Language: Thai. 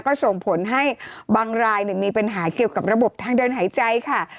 ก็ส่งผลให้บางรายมีปัญหาเกี่ยวกับระบบทางเดินหายใจค่ะ